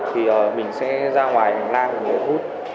thì mình sẽ ra ngoài làm người hút